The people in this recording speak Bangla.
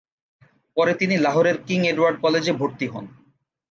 পরে তিনি লাহোরের কিং এডওয়ার্ড কলেজে ভর্তি হন।